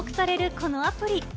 このアプリ。